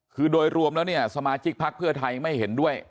คือโดยรวมแล้วเนี่ยสมาชิกพักเพื่อไทยไม่เห็นด้วย